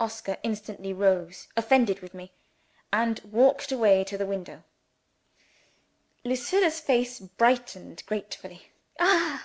Oscar instantly rose, offended with me, and walked away to the window. Lucilla's face brightened gratefully. "Ah!"